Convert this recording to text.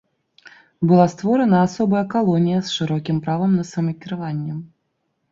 Была створана асобная калонія з шырокім правам на самакіраванне.